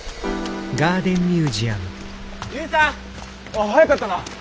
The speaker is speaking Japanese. ああ早かったな。